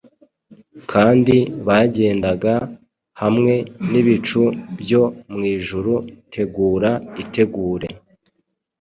Kandi bagendana hamwe n'ibicu byo mwijuru! Tegura, itegure!